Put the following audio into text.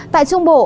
tại trung bộ